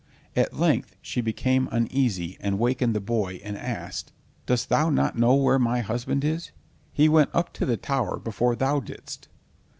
At length she became uneasy, and wakened the boy, and asked, "Dost thou not know where my husband is? He went up the tower before thou didst."